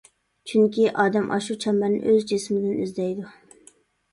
چۈنكى ئادەم ئاشۇ چەمبەرنى ئۆز جىسمىدىن ئىزدەيدۇ.